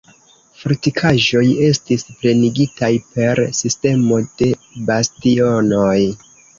Fortikaĵoj estis plenigitaj per sistemo de bastionoj.